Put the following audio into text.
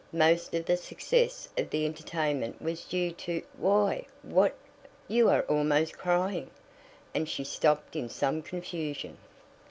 "Most of the success of the entertainment was due to Why what you are almost crying," and she stopped in some confusion.